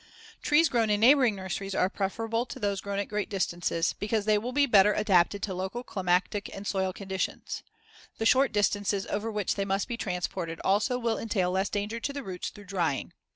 Trees grown in neighboring nurseries are preferable to those grown at great distances, because they will be better adapted to local climatic and soil conditions. The short distances over which they must be transported also will entail less danger to the roots through drying.